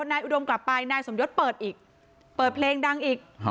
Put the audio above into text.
อุดมกลับไปนายสมยศเปิดอีกเปิดเพลงดังอีก